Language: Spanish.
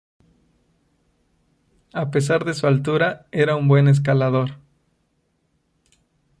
A pesar de su altura, era un buen escalador.